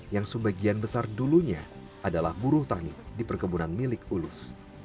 yang sebagian besar dulunya adalah buruh tani di perkebunan milik ulus